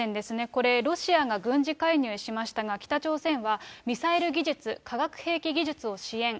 これ、ロシアが軍事介入しましたが、北朝鮮は、ミサイル技術、化学兵器技術を支援。